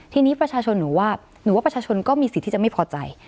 ทีนี้ประชาชนหนูว่าหนูว่าประชาชนก็มีสิทธิ์ที่จะไม่พอใจ